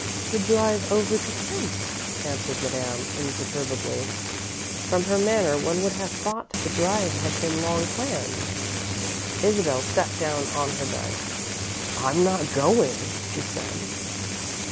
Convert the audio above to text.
"To drive over to Kent's," answered Madame, imperturbably. From her manner one would have thought the drive had been long planned. Isabel sat down on her bed. "I'm not going," she said.